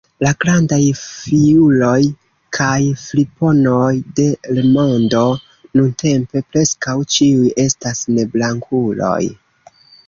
La grandaj fiuloj kaj friponoj de l’ mondo nuntempe preskaŭ ĉiuj estas neblankuloj.